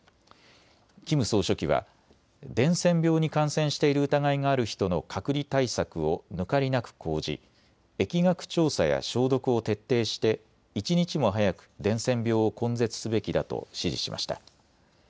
キム総書記は伝染病に感染している疑いがある人の隔離対策を抜かりなく講じ疫学調査や消毒を徹底して一日も早く伝染病を根絶すべきだと指示しました。